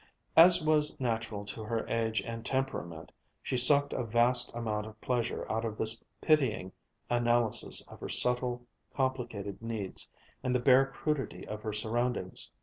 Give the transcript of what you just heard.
As was natural to her age and temperament, she sucked a vast amount of pleasure out of this pitying analysis of her subtle, complicated needs and the bare crudity of her surroundings.